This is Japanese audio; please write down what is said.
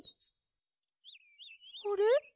あれ？